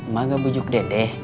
mak gak bujuk dede